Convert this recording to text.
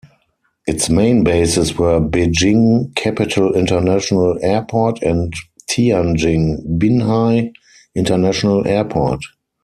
Its main bases were Beijing Capital International Airport and Tianjin Binhai International Airport.